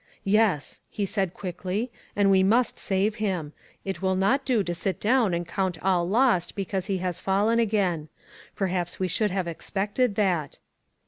"Yes," he said quickly, "and we must save him. It will not do to sit down and count all lost because he has fallen again. Perhaps we should have expected that."